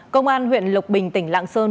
công an huyện lộc bình tỉnh lạng sơn